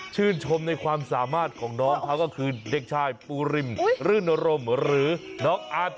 ชมในความสามารถของน้องเขาก็คือเด็กชายปูริมรื่นรมหรือน้องอาร์ต